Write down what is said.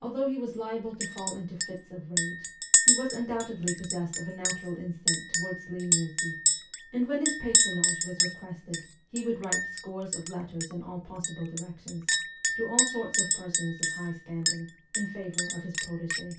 Although he was liable to fall into fits of rage, he was undoubtedly possessed of a natural instinct toward leniency, and when his patron age was requested he would write scores of letters in all possible directions, to all sorts of persons of high standing, in favour of his protege.